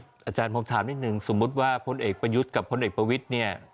อาจารย์ผมถามนิดนึงสมมุติว่าพลเอกประยุทธ์กับพลเอกประวิทย์เนี่ย